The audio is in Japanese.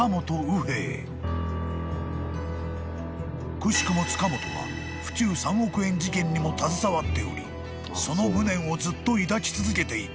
［くしくも塚本は府中３億円事件にも携わっておりその無念をずっと抱き続けていた］